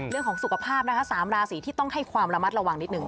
เรื่องของสุขภาพนะคะ๓ราศีที่ต้องให้ความระมัดระวังนิดนึ